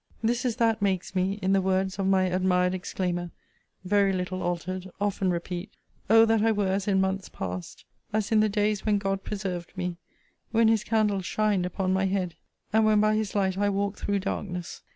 This is that makes me, in the words of my admired exclaimer, very little altered, often repeat: 'Oh! that I were as in months past! as in the days when God preserved me! when his candle shined upon my head, and when by his light I walked through darkness!